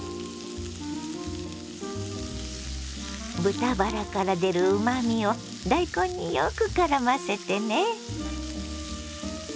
豚バラから出るうまみを大根によくからませてね。